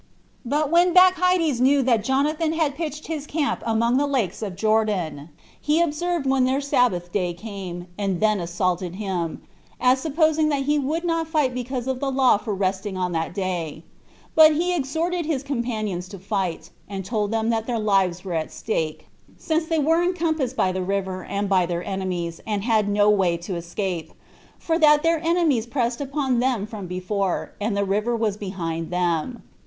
3. But when Bacchides knew that Jonathan had pitched his camp among the lakes of Jordan, he observed when their sabbath day came, and then assaulted him, [as supposing that he would not fight because of the law for resting on that day]: but he exhorted his companions [to fight]; and told them that their lives were at stake, since they were encompassed by the river, and by their enemies, and had no way to escape, for that their enemies pressed upon them from before, and the river was behind them.